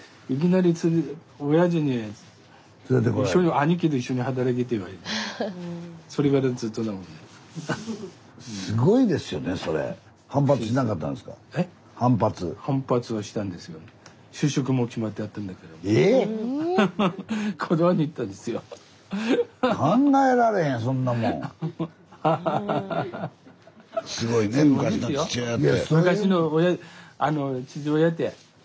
スタジオすごいね昔の父親って。